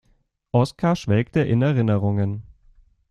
Oskar schwelgte in Erinnerungen.